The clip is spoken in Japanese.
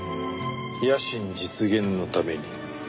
野心実現のために？